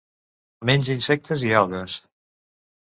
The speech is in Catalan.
Menja insectes i algues.